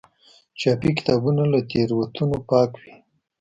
چاپي کتابونه له تېروتنو پاک وي.